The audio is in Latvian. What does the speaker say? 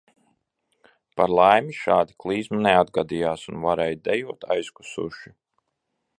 Par laimi šāda klizma neatgadījās un varēja dejot aizkusuši.